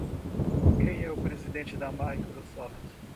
Quem é o presidente da Microsoft?